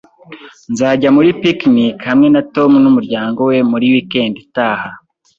Nzajya muri picnic hamwe na Tom n'umuryango we muri weekend itaha